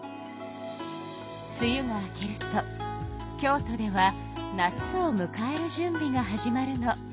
つゆが明けると京都では夏をむかえるじゅんびが始まるの。